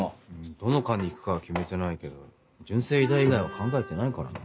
どの科に行くかは決めてないけど純正医大以外は考えてないからな。